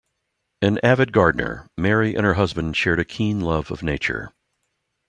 An avid gardener, Mary and her husband shared a keen love of nature.